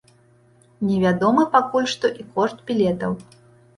Невядомы пакуль што і кошт білетаў.